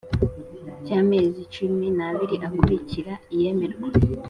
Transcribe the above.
Cy amezi cumi n abiri akurikira iyemerwa